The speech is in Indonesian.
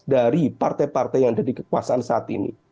dari partai partai yang ada di kekuasaan saat ini